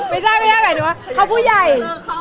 ไม่ใช่หมายถึงว่าเข้าผู้ใหญ่